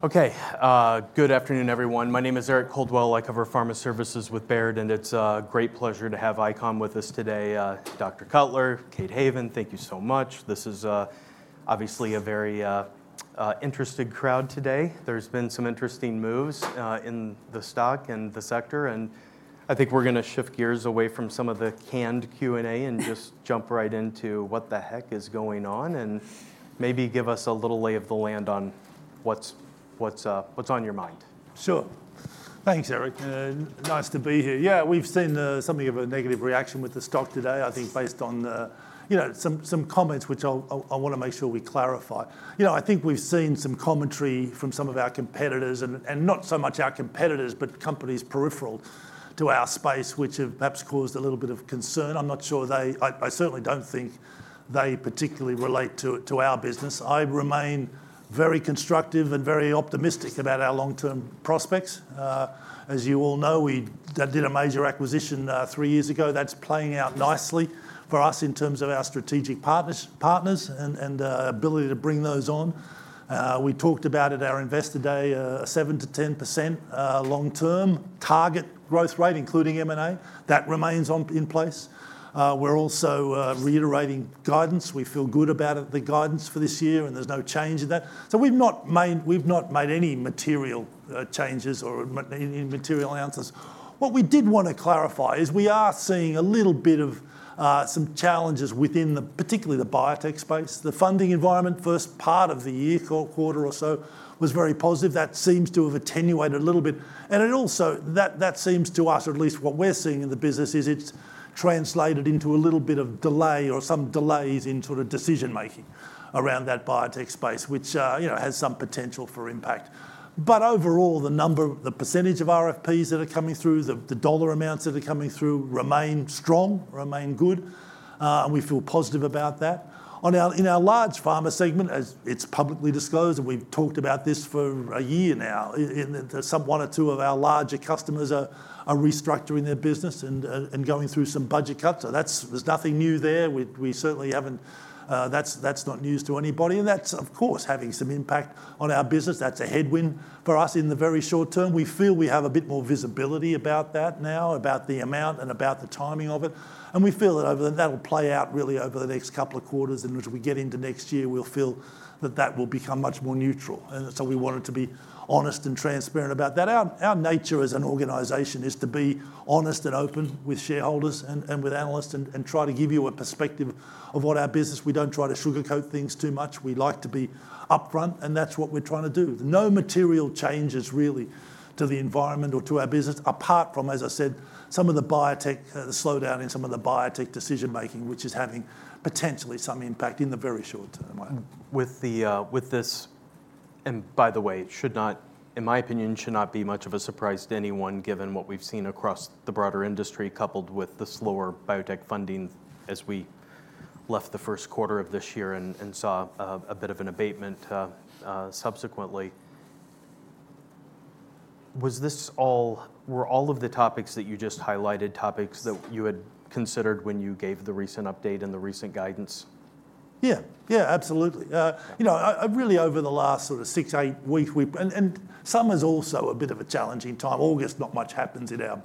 Okay, good afternoon, everyone. My name is Eric Coldwell. I cover pharma services with Baird, and it's a great pleasure to have ICON with us today. Dr. Cutler, Kate Haven, thank you so much. This is obviously a very interesting crowd today. There's been some interesting moves in the stock and the sector, and I think we're gonna shift gears away from some of the canned Q&A and just jump right into what the heck is going on, and maybe give us a little lay of the land on what's on your mind. Sure. Thanks, Eric, nice to be here. Yeah, we've seen something of a negative reaction with the stock today, I think, based on the, you know, some comments, which I'll wanna make sure we clarify. You know, I think we've seen some commentary from some of our competitors and not so much our competitors, but companies peripheral to our space, which have perhaps caused a little bit of concern. I'm not sure they... I certainly don't think they particularly relate to our business. I remain very constructive and very optimistic about our long-term prospects. As you all know, we did a major acquisition three years ago. That's playing out nicely for us in terms of our strategic partners and ability to bring those on. We talked about at our Investor Day a 7%-10% long-term target growth rate, including M&A. That remains in place. We're also reiterating guidance. We feel good about it, the guidance for this year, and there's no change in that. So we've not made any material changes or any material announcements. What we did wanna clarify is we are seeing a little bit of some challenges within the, particularly the biotech space. The funding environment, first part of the year, quarter or so, was very positive. That seems to have attenuated a little bit. And it also seems to us, or at least what we're seeing in the business, is it's translated into a little bit of delay or some delays in sort of decision making around that biotech space, which, you know, has some potential for impact. But overall, the number, the percentage of RFPs that are coming through, the dollar amounts that are coming through remain strong, remain good, and we feel positive about that. In our large pharma segment, as it's publicly disclosed, and we've talked about this for a year now, in that some one or two of our larger customers are restructuring their business and, and going through some budget cuts. So that's. There's nothing new there. We certainly haven't. That's not news to anybody, and that's, of course, having some impact on our business. That's a headwind for us in the very short term. We feel we have a bit more visibility about that now, about the amount and about the timing of it, and we feel that over the, that'll play out really over the next couple of quarters, and as we get into next year, we'll feel that that will become much more neutral. And so we wanted to be honest and transparent about that. Our, our nature as an organization is to be honest and open with shareholders and, and with analysts and, and try to give you a perspective of what our business... We don't try to sugarcoat things too much. We like to be upfront, and that's what we're trying to do. No material changes, really, to the environment or to our business, apart from, as I said, the slowdown in some of the biotech decision-making, which is having potentially some impact in the very short term. With this, and by the way, it should not, in my opinion, should not be much of a surprise to anyone, given what we've seen across the broader industry, coupled with the slower biotech funding as we left the first quarter of this year and saw a bit of an abatement subsequently. Were all of the topics that you just highlighted topics that you had considered when you gave the recent update and the recent guidance? Yeah. Yeah, absolutely. You know, I really over the last sort of six, eight weeks, we and summer is also a bit of a challenging time. August, not much happens in our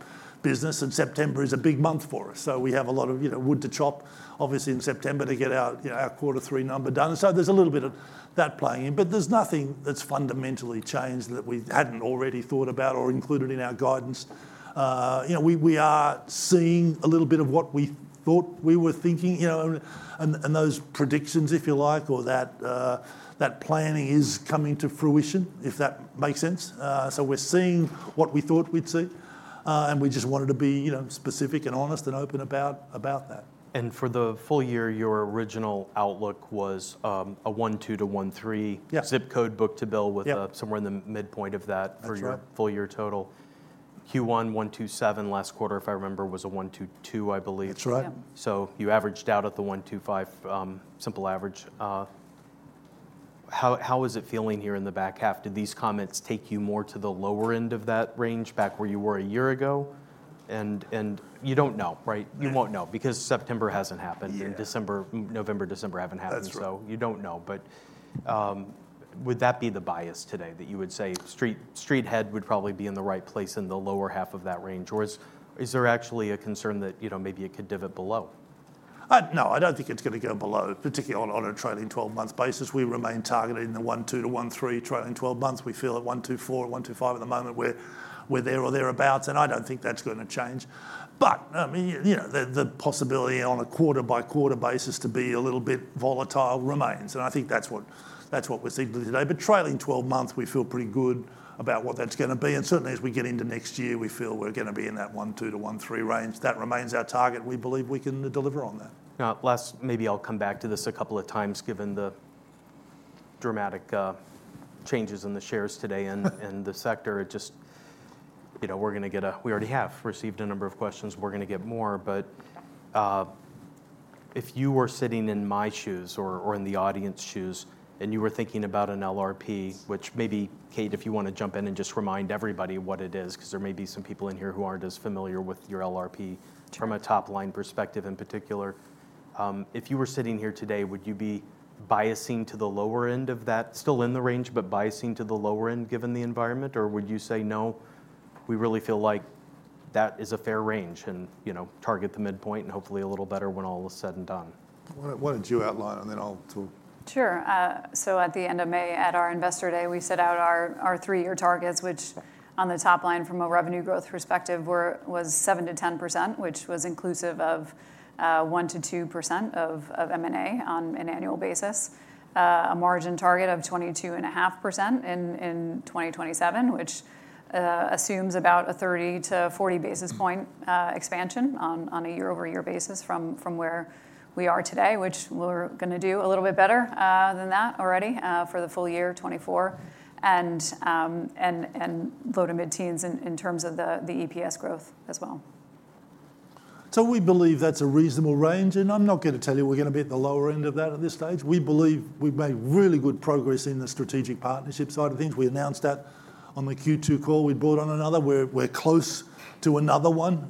business, and September is a big month for us. So we have a lot of, you know, wood to chop, obviously, in September to get our, you know, our quarter three numbers done. So there's a little bit of that playing in, but there's nothing that's fundamentally changed that we hadn't already thought about or included in our guidance. You know, we are seeing a little bit of what we thought we were thinking, you know, and those predictions, if you like, or that that planning is coming to fruition, if that makes sense. So we're seeing what we thought we'd see, and we just wanted to be, you know, specific and honest and open about that. For the full year, your original outlook was a 1.2 to 1.3- Yeah... book-to-bill with- Yeah - somewhere in the midpoint of that- That's right... for your full year total. Q1 1.27 last quarter, if I remember, was a 1.22, I believe. That's right. Yeah. So you averaged out at the 1.25, simple average. How is it feeling here in the back half? Did these comments take you more to the lower end of that range, back where you were a year ago? And you don't know, right? Yeah. You won't know, because September hasn't happened. Yeah. And November, December haven't happened. That's right... so you don't know. But, would that be the bias today, that you would say street head would probably be in the right place in the lower half of that range? Or is there actually a concern that, you know, maybe it could divot below? No, I don't think it's gonna go below, particularly on a trailing twelve-month basis. We remain targeted in the 1.2-1.3 trailing twelve months. We feel at 1.24 or 1.25 at the moment, we're there or thereabouts, and I don't think that's gonna change. But, I mean, you know, the possibility on a quarter-by-quarter basis to be a little bit volatile remains, and I think that's what we're seeing today. But trailing twelve months, we feel pretty good about what that's gonna be, and certainly as we get into next year, we feel we're gonna be in that 1.2-1.3 range. That remains our target. We believe we can deliver on that. Now, last, maybe I'll come back to this a couple of times, given the dramatic changes in the shares today and the sector. It just... You know, we already have received a number of questions. We're gonna get more. But if you were sitting in my shoes or in the audience's shoes, and you were thinking about an LRP, which maybe, Kate, if you wanna jump in and just remind everybody what it is, 'cause there may be some people in here who aren't as familiar with your LRP from a top-line perspective in particular? If you were sitting here today, would you be biasing to the lower end of that, still in the range, but biasing to the lower end, given the environment? Or would you say, "No, we really feel like that is a fair range, and, you know, target the midpoint, and hopefully a little better when all is said and done? Why don't you outline, and then I'll talk? Sure. So at the end of May, at our Investor Day, we set out our three-year targets, which on the top line from a revenue growth perspective, was 7%-10%, which was inclusive of 1%-2% of M&A on an annual basis. A margin target of 22.5% in 2027, which assumes about a 30-40 basis points expansion on a year-over-year basis from where we are today, which we're gonna do a little bit better than that already for the full year 2024, and low to mid-teens in terms of the EPS growth as well. So we believe that's a reasonable range, and I'm not gonna tell you we're gonna be at the lower end of that at this stage. We believe we've made really good progress in the strategic partnership side of things. We announced that on the Q2 call, we brought on another. We're close to another one.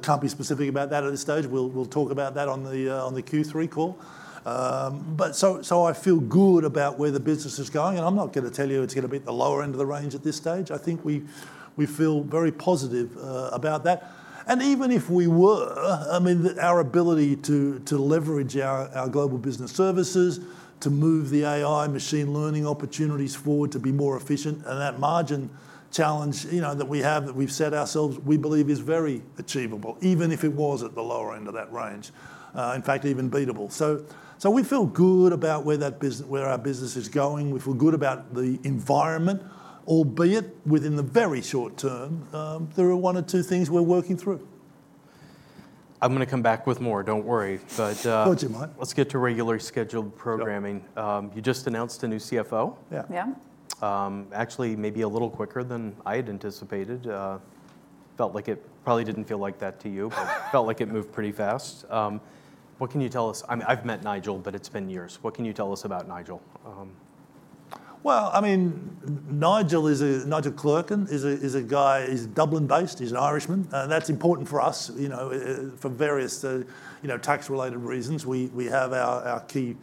Can't be specific about that at this stage. We'll talk about that on the Q3 call. But so I feel good about where the business is going, and I'm not gonna tell you it's gonna be at the lower end of the range at this stage. I think we feel very positive about that. And even if we were, I mean, our ability to leverage our global business services, to move the AI machine learning opportunities forward to be more efficient, and that margin challenge, you know, that we have, that we've set ourselves, we believe is very achievable, even if it was at the lower end of that range. In fact, even beatable. So we feel good about where our business is going. We feel good about the environment, albeit within the very short term, there are one or two things we're working through. I'm gonna come back with more, don't worry. But No, Jim, alright. Let's get to regularly scheduled programming. Sure. You just announced a new CFO. Yeah. Yeah. Actually, maybe a little quicker than I had anticipated. Felt like it probably didn't feel like that to you but felt like it moved pretty fast. What can you tell us? I've met Nigel, but it's been years. What can you tell us about Nigel? Well, I mean, Nigel Clerkin is a guy, he's Dublin-based, he's an Irishman, and that's important for us, you know, for various, you know, tax-related reasons. We have our key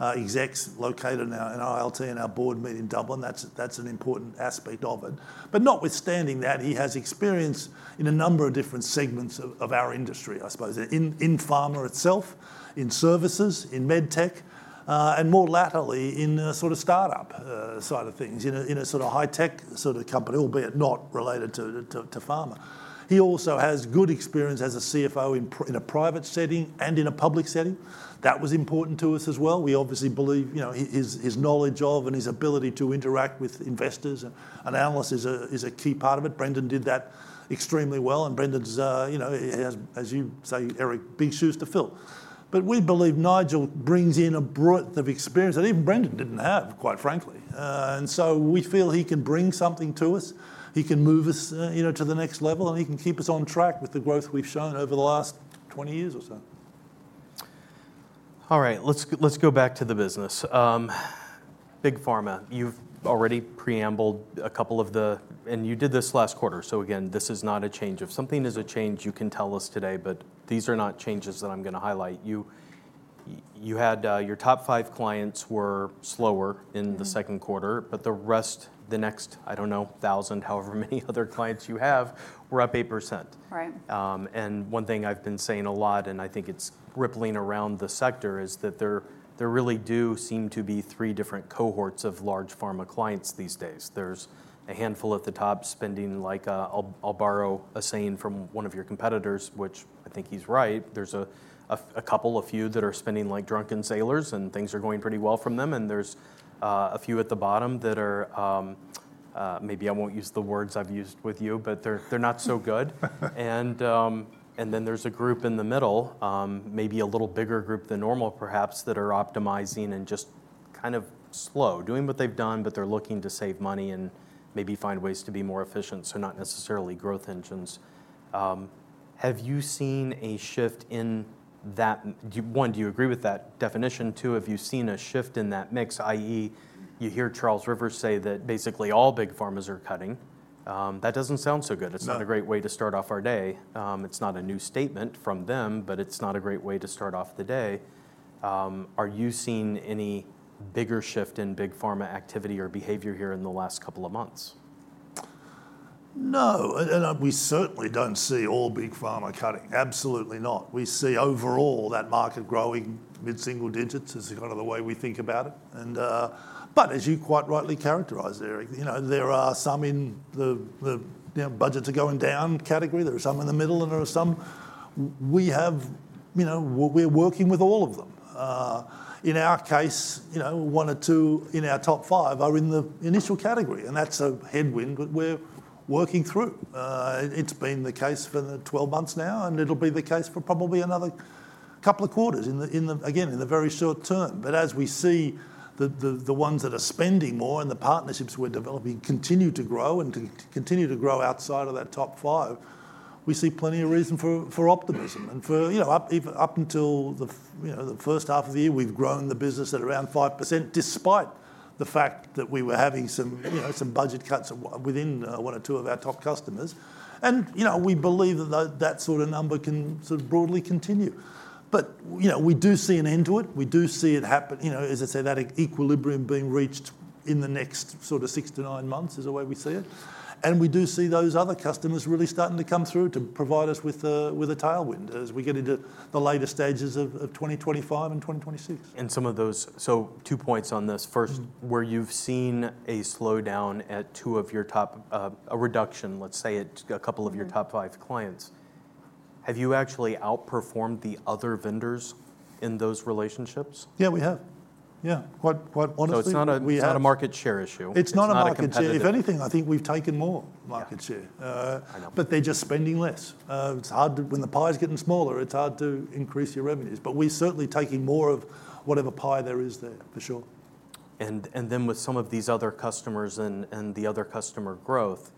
execs located now in Ireland, and our board meets in Dublin. That's an important aspect of it. But notwithstanding that, he has experience in a number of different segments of our industry, I suppose, in pharma itself, in services, in medtech, and more latterly, in a sort of start-up side of things, in a sort of high-tech sort of company, albeit not related to pharma. He also has good experience as a CFO in a private setting and in a public setting. That was important to us as well. We obviously believe, you know, his knowledge of and his ability to interact with investors and analysts is a key part of it. Brendan did that extremely well, and Brendan's, you know, he has, as you say, Eric, big shoes to fill. But we believe Nigel brings in a breadth of experience that even Brendan didn't have, quite frankly. And so we feel he can bring something to us. He can move us, you know, to the next level, and he can keep us on track with the growth we've shown over the last twenty years or so. All right, let's go back to the business. Big pharma, you've already preambled a couple of the... and you did this last quarter, so again, this is not a change. If something is a change, you can tell us today, but these are not changes that I'm gonna highlight. You had your top five clients were slower- Mm-hmm... in the second quarter, but the rest, the next, I don't know, thousand, however many other clients you have, were up 8%. Right. And one thing I've been saying a lot, and I think it's rippling around the sector, is that there really do seem to be three different cohorts of large pharma clients these days. There's a handful at the top spending, like, I'll borrow a saying from one of your competitors, which I think he's right: There's a couple, a few that are spending like drunken sailors, and things are going pretty well from them, and there's a few at the bottom that are maybe I won't use the words I've used with you, but they're not so good. And then there's a group in the middle, maybe a little bigger group than normal, perhaps, that are optimizing and just kind of slow, doing what they've done, but they're looking to save money and maybe find ways to be more efficient. So not necessarily growth engines. Have you seen a shift in that? One, do you agree with that definition? Two, have you seen a shift in that mix? I.e., you hear Charles River say that basically all big pharmas are cutting. That doesn't sound so good. No. It's not a great way to start off our day. It's not a new statement from them, but it's not a great way to start off the day. Are you seeing any bigger shift in big pharma activity or behavior here in the last couple of months? No, and we certainly don't see all big pharma cutting. Absolutely not. We see overall that market growing mid-single digits is kind of the way we think about it. And, but as you quite rightly characterize, Eric, you know, there are some in the, you know, budgets are going down category, there are some in the middle, and there are some. We have, you know, we're working with all of them. In our case, you know, one or two in our top five are in the initial category, and that's a headwind that we're working through. It's been the case for the twelve months now, and it'll be the case for probably another couple of quarters in the, in the, again, in the very short term. But as we see the ones that are spending more and the partnerships we're developing continue to grow outside of that top five, we see plenty of reason for optimism and for, you know, even up until the first half of the year, we've grown the business at around 5%, despite the fact that we were having some, you know, budget cuts within one or two of our top customers. And, you know, we believe that that sort of number can sort of broadly continue. But, you know, we do see an end to it. We do see it happen, you know, as I say, that equilibrium being reached in the next sort of six to nine months is the way we see it, and we do see those other customers really starting to come through to provide us with a tailwind as we get into the later stages of 2025 and 2026. And some of those. So two points on this. First- Mm. -where you've seen a slowdown at two of your top, a reduction, let's say, at a couple of your top five clients, have you actually outperformed the other vendors in those relationships? Yeah, we have. Yeah, quite, quite honestly- So it's not a- We have- It's not a market share issue. It's not a market share. It's not competitive. If anything, I think we've taken more market share. Yeah. I know. But they're just spending less. When the pie is getting smaller, it's hard to increase your revenues. But we're certainly taking more of whatever pie there is there, for sure. And then with some of these other customers and the other customer growth,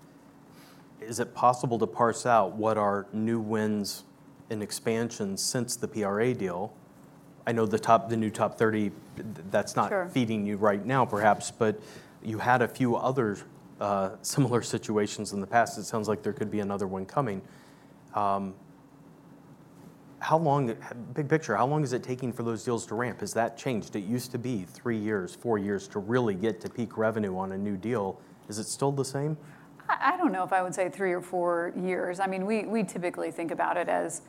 is it possible to parse out what are new wins and expansions since the PRA deal? I know the new top 30, that's not- Sure... feeding you right now, perhaps, but you had a few other similar situations in the past. It sounds like there could be another one coming. Big picture, how long is it taking for those deals to ramp? Has that changed? It used to be three years, four years to really get to peak revenue on a new deal. Is it still the same? I don't know if I would say three or four years. I mean, we typically think about it as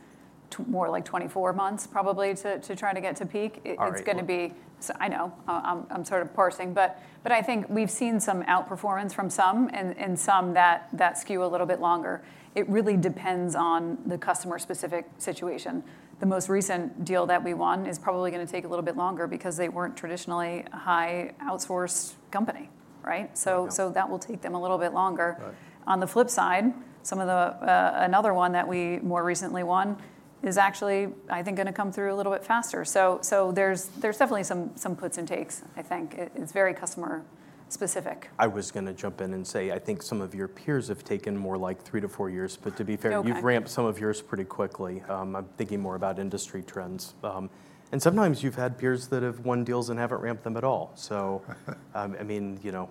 more like twenty-four months, probably, to try to get to peak. All right. It's gonna be. I know, I'm sort of parsing, but I think we've seen some outperformance from some and some that skew a little bit longer. It really depends on the customer-specific situation. The most recent deal that we won is probably gonna take a little bit longer because they weren't traditionally a high outsourced company, right? Yeah. So that will take them a little bit longer. Right. On the flip side, another one that we more recently won is actually, I think, gonna come through a little bit faster. So, there's definitely some puts and takes, I think. It's very customer specific. I was gonna jump in and say, I think some of your peers have taken more like 3-4 years. But to be fair- Okay... you've ramped some of yours pretty quickly. I'm thinking more about industry trends. And sometimes you've had peers that have won deals and haven't ramped them at all. I mean, you know,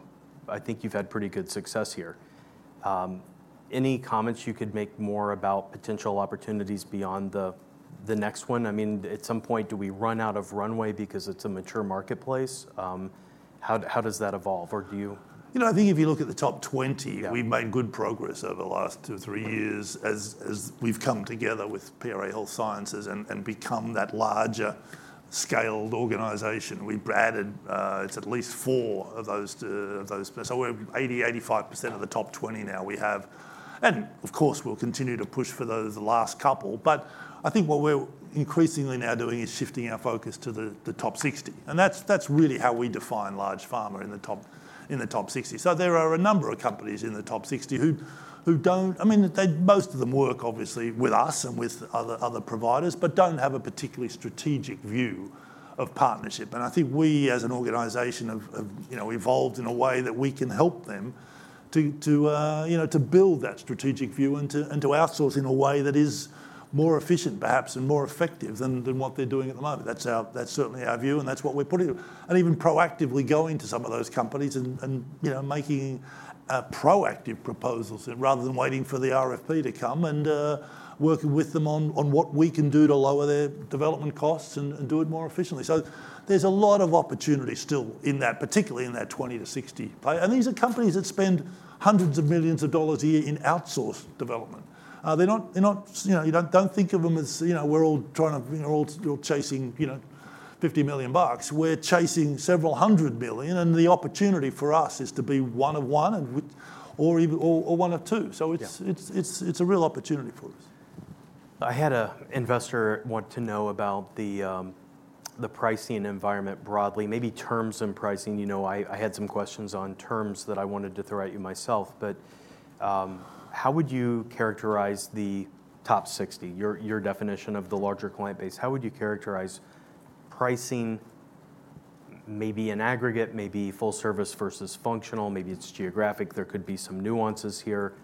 I think you've had pretty good success here. Any comments you could make more about potential opportunities beyond the next one? I mean, at some point, do we run out of runway because it's a mature marketplace? How does that evolve, or do you- You know, I think if you look at the top twenty- Yeah... we've made good progress over the last two, three years as we've come together with PRA Health Sciences and become that larger scaled organization. We've added at least four of those, so we're 80%-85% of the top 20 now we have. And of course, we'll continue to push for those last couple. But I think what we're increasingly now doing is shifting our focus to the top 60, and that's really how we define large pharma in the top 60. So there are a number of companies in the top 60 who don't. I mean, they, most of them work obviously with us and with other providers, but don't have a particularly strategic view of partnership. And I think we, as an organization, have you know evolved in a way that we can help them to you know to build that strategic view and to outsource in a way that is more efficient perhaps, and more effective than what they're doing at the moment. That's certainly our view, and that's what we're putting... And even proactively going to some of those companies and you know making proactive proposals, rather than waiting for the RFP to come, and working with them on what we can do to lower their development costs and do it more efficiently. So there's a lot of opportunity still in that, particularly in that 20-60 play. And these are companies that spend hundreds of millions of dollars a year in outsourced development. They're not, you know, you don't think of them as, you know, we're all trying to, you know, we're all chasing, you know, $50 million. We're chasing several hundred million, and the opportunity for us is to be one of one, or even one of two. Yeah. It's a real opportunity for us. I had an investor want to know about the, the pricing environment broadly, maybe terms and pricing. You know, I, I had some questions on terms that I wanted to throw at you myself, but, how would you characterize the top 60? Your, your definition of the larger client base, how would you characterize pricing? Maybe in aggregate, maybe full service versus functional, maybe it's geographic, there could be some nuances here.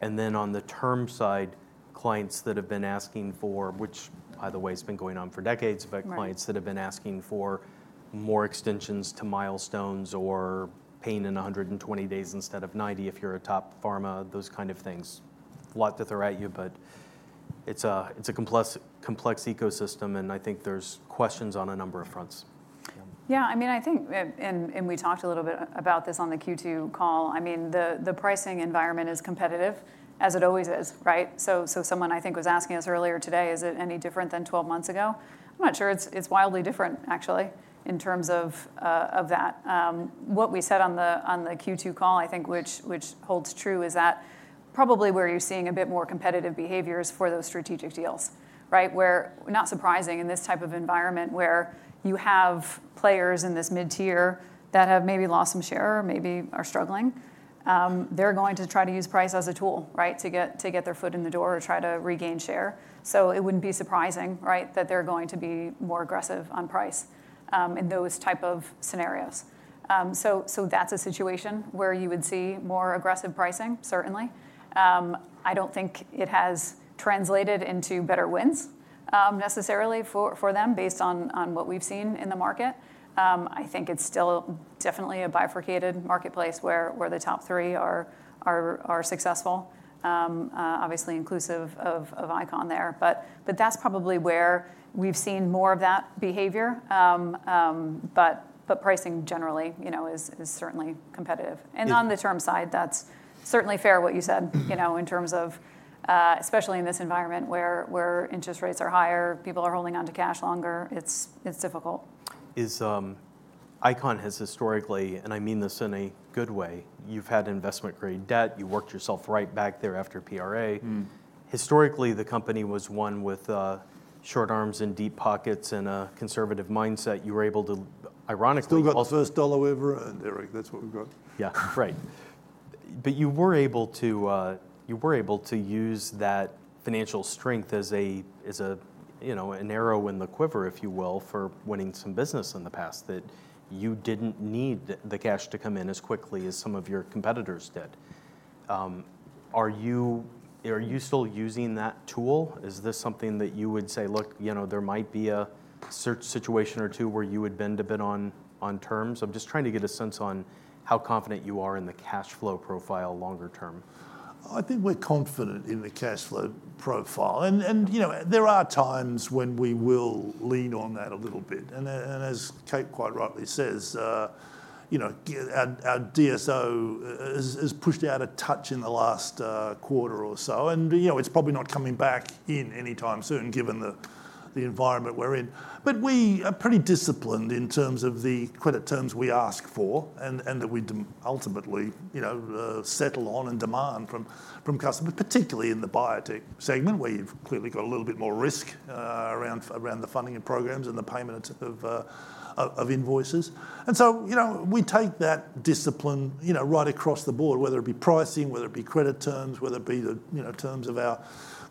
And then on the term side, clients that have been asking for, which, by the way, it's been going on for decades- Right... but clients that have been asking for more extensions to milestones or paying in a hundred and twenty days instead of ninety, if you're a top pharma, those kind of things. A lot to throw at you, but it's a complex ecosystem, and I think there's questions on a number of fronts. Yeah, I mean, I think, and we talked a little bit about this on the Q2 call. I mean, the pricing environment is competitive, as it always is, right? So someone I think was asking us earlier today: Is it any different than twelve months ago? I'm not sure it's wildly different actually, in terms of of that. What we said on the Q2 call, I think which holds true, is that probably where you're seeing a bit more competitive behaviors for those strategic deals, right? Where, not surprising in this type of environment, where you have players in this mid-tier that have maybe lost some share or maybe are struggling. They're going to try to use price as a tool, right? To get their foot in the door or try to regain share. So it wouldn't be surprising, right, that they're going to be more aggressive on price, in those type of scenarios. So that's a situation where you would see more aggressive pricing, certainly. I don't think it has translated into better wins, necessarily for them based on what we've seen in the market. I think it's still definitely a bifurcated marketplace where the top three are successful, obviously inclusive of ICON there. But that's probably where we've seen more of that behavior. But pricing generally, you know, is certainly competitive. Yeah- On the term side, that's certainly fair what you said- Mm... you know, in terms of, especially in this environment where interest rates are higher, people are holding onto cash longer, it's difficult. ICON has historically, and I mean this in a good way, you've had investment-grade debt. You worked yourself right back there after PRA. Mm. Historically, the company was one with short arms and deep pockets and a conservative mindset. You were able to ironically- Still got the first dollar ever, and Eric, that's what we've got. Yeah, right. But you were able to use that financial strength as a, you know, an arrow in the quiver, if you will, for winning some business in the past, that you didn't need the cash to come in as quickly as some of your competitors did. Are you still using that tool? Is this something that you would say, look, you know, there might be a search situation or two where you would bend a bit on terms? I'm just trying to get a sense on how confident you are in the cash flow profile longer term. I think we're confident in the cash flow profile. And, you know, there are times when we will lean on that a little bit. And as Kate quite rightly says, you know, our DSO has pushed out a touch in the last quarter or so, and, you know, it's probably not coming back in anytime soon, given the environment we're in. But we are pretty disciplined in terms of the credit terms we ask for, and that we ultimately, you know, settle on and demand from customers, particularly in the biotech segment, where you've clearly got a little bit more risk around the funding and programs and the payment of invoices. And so, you know, we take that discipline, you know, right across the board, whether it be pricing, whether it be credit terms, whether it be the, you know, terms of our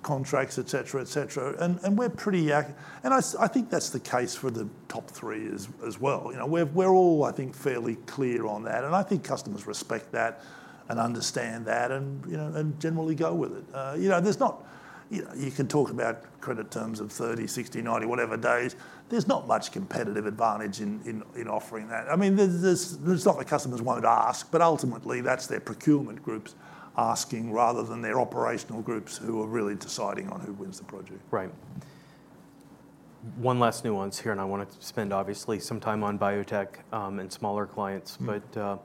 contracts, et cetera, et cetera. And we're pretty accurate, and I think that's the case for the top three as well. You know, we're all, I think, fairly clear on that, and I think customers respect that and understand that and, you know, and generally go with it. You know, you can talk about credit terms of thirty, sixty, ninety, whatever days. There's not much competitive advantage in offering that. I mean, there's... It's not the customers wanted to ask, but ultimately, that's their procurement groups asking, rather than their operational groups who are really deciding on who wins the project. Right. One last nuance here, and I want to spend obviously some time on biotech, and smaller clients. Mm. But,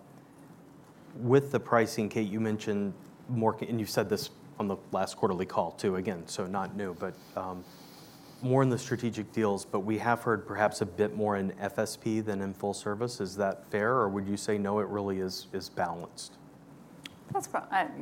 with the pricing, Kate, you mentioned more competitive and you said this on the last quarterly call, too. Again, so not new, but, more in the strategic deals, but we have heard perhaps a bit more in FSP than in full service. Is that fair, or would you say, no, it really is balanced? That's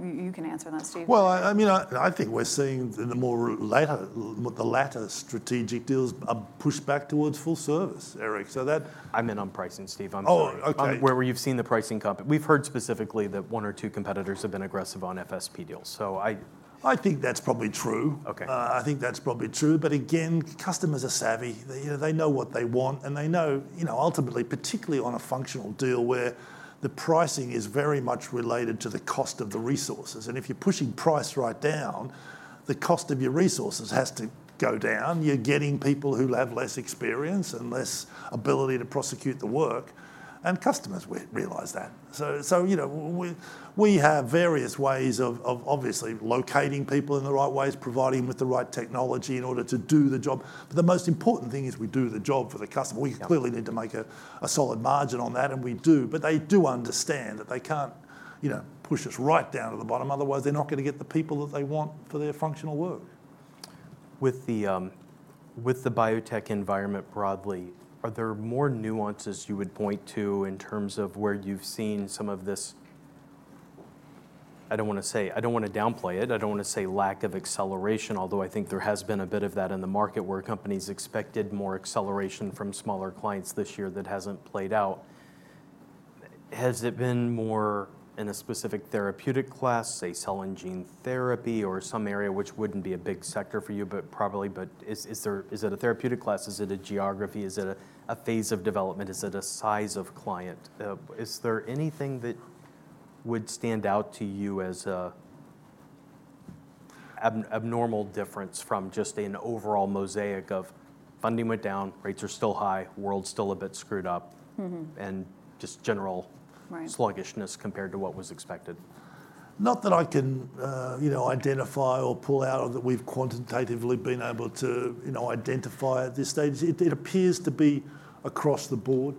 you can answer that, Steve. I mean, I think we're seeing the latter strategic deals are pushed back towards full service, Eric, so that- I meant on pricing, Steve. I'm sorry. Oh, okay. Where you've seen the pricing comp, we've heard specifically that one or two competitors have been aggressive on FSP deals, so I... I think that's probably true. Okay. I think that's probably true, but again, customers are savvy. They know what they want, and they know, you know, ultimately, particularly on a functional deal where the pricing is very much related to the cost of the resources, and if you're pushing price right down, the cost of your resources has to go down. You're getting people who have less experience and less ability to prosecute the work, and customers realize that. So, you know, we have various ways of obviously locating people in the right ways, providing them with the right technology in order to do the job. But the most important thing is we do the job for the customer. Yeah. We clearly need to make a solid margin on that, and we do. But they do understand that they can't, you know, push us right down to the bottom. Otherwise, they're not gonna get the people that they want for their functional work. With the biotech environment broadly, are there more nuances you would point to in terms of where you've seen some of this... I don't wanna say-- I don't want to downplay it, I don't wanna say lack of acceleration, although I think there has been a bit of that in the market, where companies expected more acceleration from smaller clients this year that hasn't played out. Has it been more in a specific therapeutic class, say, cell and gene therapy or some area which wouldn't be a big sector for you, but probably is there- is it a therapeutic class? Is it a geography? Is it a phase of development? Is it a size of client? Is there anything that would stand out to you as an abnormal difference from just an overall mosaic of funding went down, rates are still high, world's still a bit screwed up? Mm-hmm... and just general- Right... sluggishness compared to what was expected? Not that I can, you know, identify or pull out, or that we've quantitatively been able to, you know, identify at this stage. It appears to be across the board.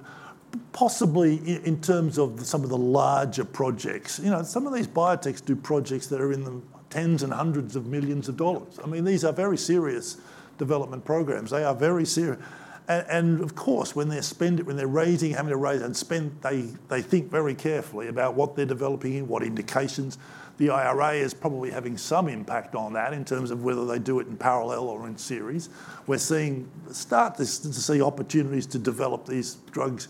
Possibly in terms of some of the larger projects. You know, some of these biotechs do projects that are in the tens and hundreds of millions of dollars. I mean, these are very serious development programs. They are very serious. And, of course, when they're spending, when they're raising, having to raise and spend, they think very carefully about what they're developing and what indications. The IRA is probably having some impact on that in terms of whether they do it in parallel or in series. We're starting to see opportunities to develop these drugs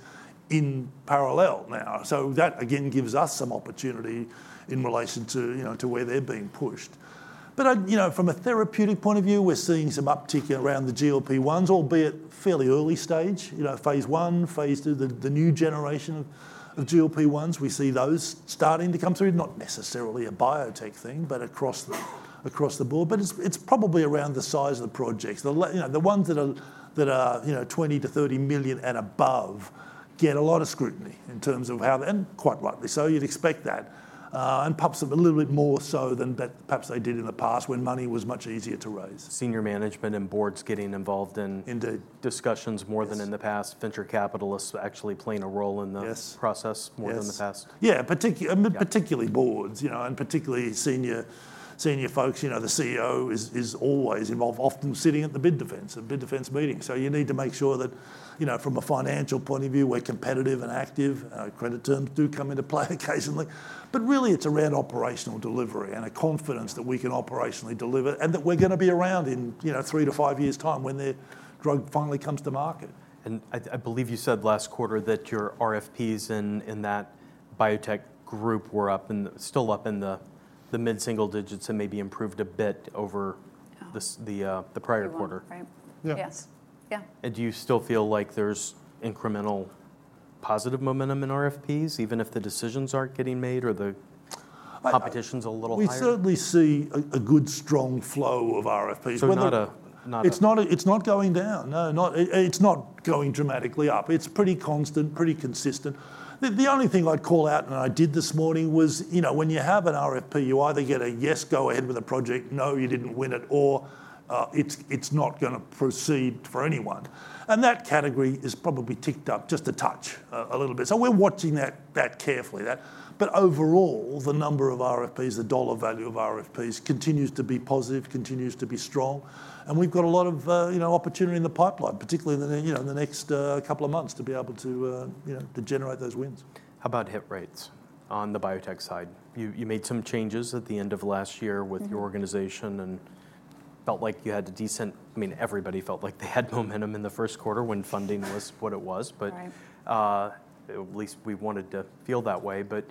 in parallel now. So that, again, gives us some opportunity in relation to, you know, to where they're being pushed. But, you know, from a therapeutic point of view, we're seeing some uptick around the GLP-1s, albeit fairly early stage, you know, phase I, phase II, the new generation of GLP-1s, we see those starting to come through. Not necessarily a biotech thing, but across the board, but it's, it's probably around the size of the projects. You know, the ones that are, that are, you know, $20 million-$30 million and above get a lot of scrutiny in terms of how, and quite rightly so, you'd expect that. And perhaps a little bit more so than perhaps they did in the past when money was much easier to raise. Senior management and boards getting involved in- Indeed... discussions more than in the past. Yes. Venture capitalists actually playing a role in the- Yes... process more than the past? Yes. Yeah, Yeah... particularly boards, you know, and particularly senior folks. You know, the CEO is always involved, often sitting at the bid defense, a bid defense meeting. So you need to make sure that, you know, from a financial point of view, we're competitive and active. Credit terms do come into play occasionally, but really it's around operational delivery and a confidence that we can operationally deliver, and that we're gonna be around in, you know, three to five years' time when the drug finally comes to market. And I believe you said last quarter that your RFPs in that biotech group were up in the-- still up in the mid-single digits and maybe improved a bit over- Yeah... the prior quarter. Right. Yeah. Yes. Yeah. And do you still feel like there's incremental positive momentum in RFPs, even if the decisions aren't getting made, or the? Well-... competition's a little higher? We certainly see a good strong flow of RFPs. So not a- It's not going down. No, not dramatically up. It's pretty constant, pretty consistent. The only thing I'd call out, and I did this morning, was, you know, when you have an RFP, you either get a, "Yes, go ahead with the project, no, you didn't win it," or, "It's not gonna proceed for anyone." And that category is probably ticked up just a touch, a little bit. So we're watching that carefully. But overall, the number of RFPs, the dollar value of RFPs continues to be positive, continues to be strong, and we've got a lot of, you know, opportunity in the pipeline, particularly in the, you know, in the next couple of months, to be able to, you know, to generate those wins. How about hit rates on the biotech side? You made some changes at the end of last year- Mm-hmm... with your organization and felt like you had a decent... I mean, everybody felt like they had momentum in the first quarter when funding was what it was, but- Right... at least we wanted to feel that way, but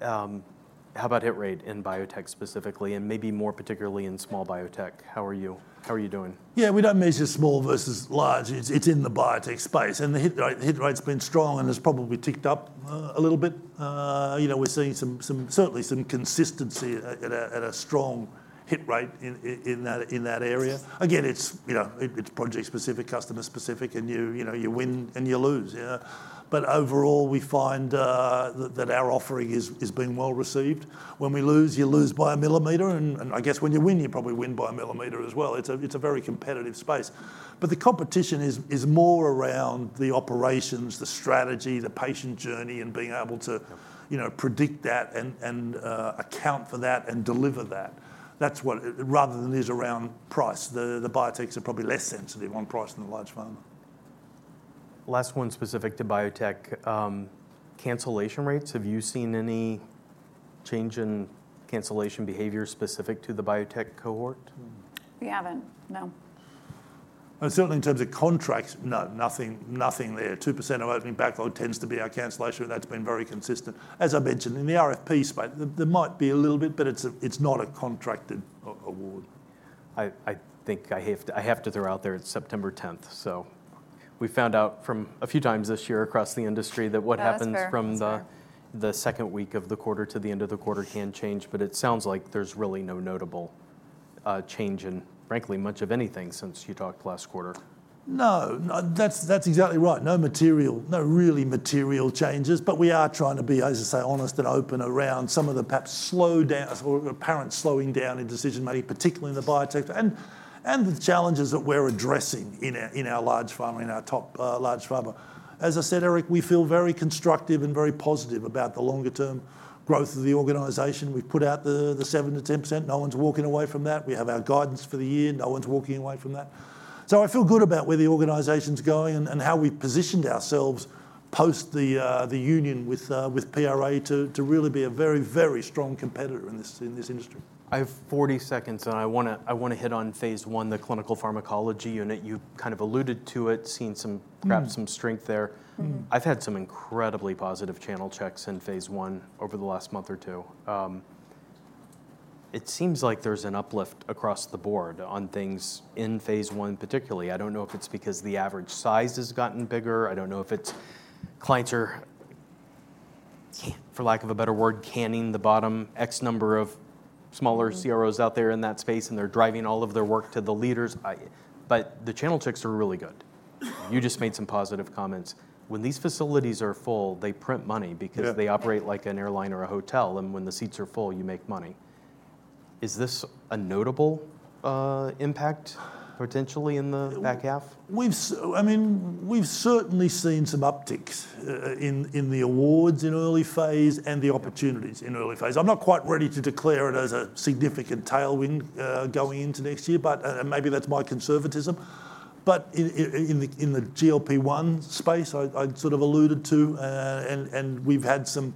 how about hit rate in biotech specifically, and maybe more particularly in small biotech? How are you, how are you doing? Yeah, we don't measure small versus large. It's in the biotech space, and the hit rate's been strong, and it's probably ticked up a little bit. You know, we're seeing some certainly some consistency at a strong hit rate in that area. Again, it's, you know, it's project specific, customer specific, and you know, you win and you lose, you know? But overall, we find that our offering is being well received. When we lose, you lose by a millimeter, and I guess when you win, you probably win by a millimeter as well. It's a very competitive space. But the competition is more around the operations, the strategy, the patient journey, and being able to- Yeah... you know, predict that and account for that and deliver that. That's what, rather than is around price. The biotechs are probably less sensitive on price than the large pharma. Last one specific to biotech. Cancellation rates, have you seen any change in cancellation behavior specific to the biotech cohort? We haven't, no. Certainly in terms of contracts, no, nothing, nothing there. 2% of opening backlog tends to be our cancellation, and that's been very consistent. As I mentioned, in the RFP space, there might be a little bit, but it's not a contracted award. I think I have to throw out there, it's September 10th, so we found out from a few times this year across the industry that what happens- That is fair.... from the second week of the quarter to the end of the quarter can change, but it sounds like there's really no notable change in frankly much of anything since you talked last quarter. No, no, that's, that's exactly right. No material, no really material changes, but we are trying to be, as I say, honest and open around some of the perhaps slowdown or apparent slowing down in decision-making, particularly in the biotech, and the challenges that we're addressing in our large pharma, in our top large pharma. As I said, Eric, we feel very constructive and very positive about the longer-term growth of the organization. We've put out the 7%-10%. No one's walking away from that. We have our guidance for the year. No one's walking away from that. So I feel good about where the organization's going and how we've positioned ourselves post the union with PRA to really be a very, very strong competitor in this industry. I have forty seconds, and I wanna, I wanna hit on phase I, the clinical pharmacology unit. You kind of alluded to it, seen some- Mm... perhaps some strength there. Mm-hmm. I've had some incredibly positive channel checks in phase I over the last month or two. It seems like there's an uplift across the board on things in phase I particularly. I don't know if it's because the average size has gotten bigger. I don't know if it's clients are, for lack of a better word, canning the bottom X number of smaller- Mm... CROs out there in that space, and they're driving all of their work to the leaders. But the channel checks are really good. You just made some positive comments. When these facilities are full, they print money- Yeah... because they operate like an airline or a hotel, and when the seats are full, you make money. Is this a notable impact potentially in the back half? I mean, we've certainly seen some upticks in the awards in early phase and the opportunities in early phase. I'm not quite ready to declare it as a significant tailwind going into next year, but maybe that's my conservatism. But in the GLP-1 space, I'd sort of alluded to and we've had some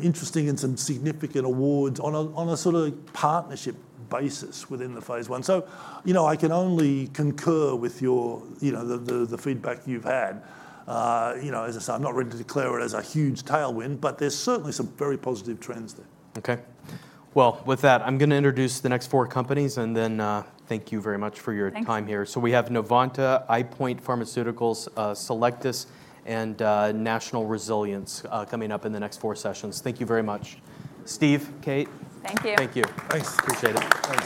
interesting and some significant awards on a sort of partnership basis within the phase I. So, you know, I can only concur with your, you know, the feedback you've had. You know, as I say, I'm not ready to declare it as a huge tailwind, but there's certainly some very positive trends there. Okay. Well, with that, I'm gonna introduce the next four companies, and then, thank you very much for your time here. Thank you. So we have Novanta, EyePoint Pharmaceuticals, Cellectis, and National Resilience coming up in the next four sessions. Thank you very much. Steve, Kate? Thank you. Thank you. Thanks. Appreciate it. Thank you.